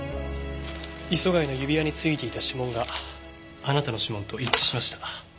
磯貝の指輪についていた指紋があなたの指紋と一致しました。